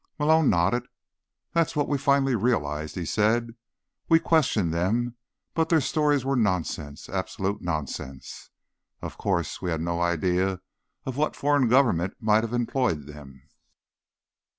Malone nodded. "That's what we finally realized," he said. "We questioned them, but their stories were nonsense, absolute nonsense. Of course, we had no idea of what foreign government might have employed them."